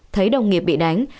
thấy đồng nghiệp bị đánh